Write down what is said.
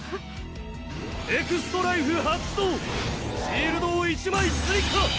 エクストライフ発動シールドを１枚追加。